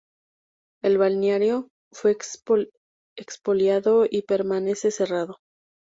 El balneario fue expoliado y permanece cerrado.